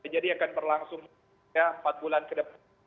jadi akan berlangsung empat bulan ke depan